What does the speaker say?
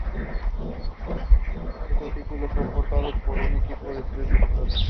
Estos títulos son portados por un equipo de tres luchadores.